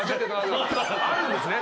あるんですね？